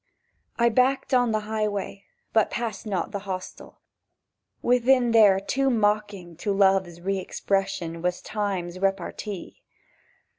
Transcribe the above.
I backed on the Highway; but passed not The hostel. Within there Too mocking to Love's re expression Was Time's repartee!